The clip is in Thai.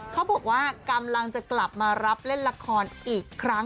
เขาบอกว่ากำลังจะกลับมารับเล่นละครอีกครั้ง